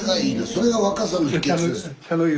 それが若さの秘けつです。